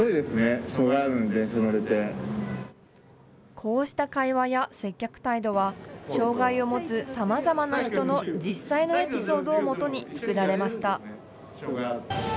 こうした会話や接客態度は、障害を持つさまざまな人の実際のエピソードをもとに作られました。